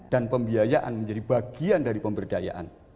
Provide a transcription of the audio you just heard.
dan pembiayaan menjadi bagian dari pemberdayaan